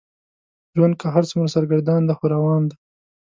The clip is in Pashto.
ژوند که هر څومره سرګردان دی خو روان دی.